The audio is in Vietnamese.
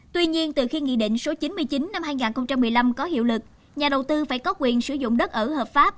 tuy nhiên từ khi nghị định số chín mươi chín năm hai nghìn một mươi năm có hiệu lực nhà đầu tư phải có quyền sử dụng đất ở hợp pháp